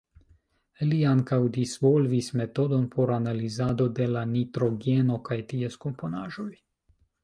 Li ankaŭ disvolvis metodon por analizado de la nitrogeno kaj ties komponaĵoj.